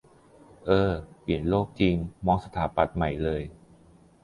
เออ เปลี่ยนโลกจริง มองสถาปัตย์ใหม่เลย